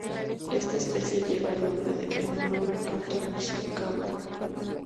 Esta especie lleva el nombre en honor a Kanto Nishikawa.